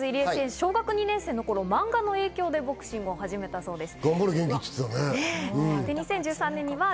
小学２年生の頃、漫画の影響でボクシングを始めたということです。